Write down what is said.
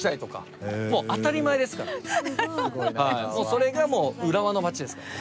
それがもう浦和の街ですから。